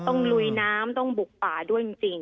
ลุยน้ำต้องบุกป่าด้วยจริง